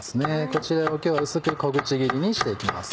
こちらを今日は薄く小口切りにして行きます。